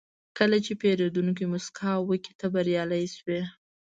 کله چې پیرودونکی موسکا وکړي، ته بریالی شوې.